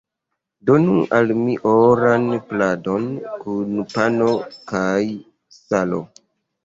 Donu al mi oran pladon kun pano kaj salo!